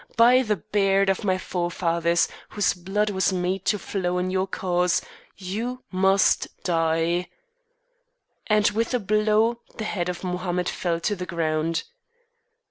By the beard of my forefathers, whose blood was made to flow in your cause, you too must die," and with a blow the head of Mohammed fell to the ground.